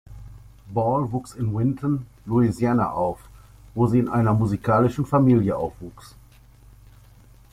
Ball wuchs in Vinton, Louisiana auf, wo sie in einer musikalischen Familie aufwuchs.